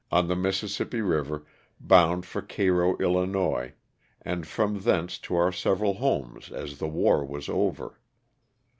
on the Mississippi river, bound for Cairo, 111., and from thence to our several homes as the war was over.